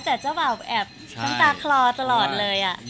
แต่เจ้าบ่าวแอบน้ำตาคลอตลอดเลย